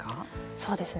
そうですね。